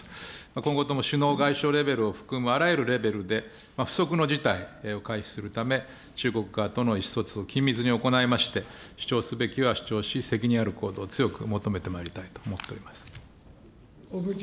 今後とも首脳外相レベルを含むあらゆるレベルで、不測の事態を回避するため、中国側との意思疎通を緊密に行いまして、主張すべきは主張し、責任ある行動を強く求めてまいりたいと思っております。